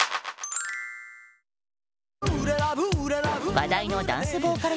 話題のダンスボーカル